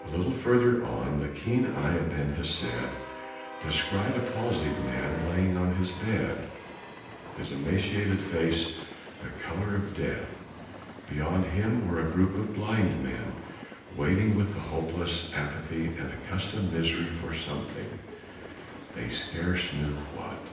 A little further on, the keen eye of Ben Hesed descried a palsied man lying on his bed, his emaciated face the color of death. Beyond him were a group of blind men, waiting with the hopeless apathy of accustomed misery for something, they scarce knew what.